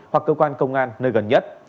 hoặc cơ quan công an nơi gần nhất